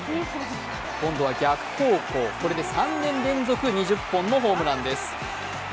今度は逆方向、これで３年連続２０本のホームランです。